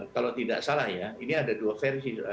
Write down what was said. kalau tidak salah ya ini ada dua versi